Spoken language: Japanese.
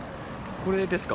これですか？